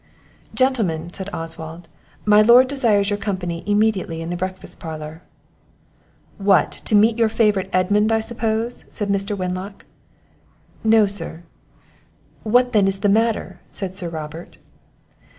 "Gentlemen," said Oswald, "my lord desires your company immediately in the breakfast parlour." "What! to meet your favourite Edmund, I suppose?" said Mr. Wenlock. "No, sir." "What, then, is the matter?" said Sir Robert.